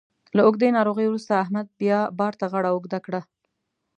له اوږدې ناروغۍ وروسته احمد بیا بار ته غاړه اوږده کړه.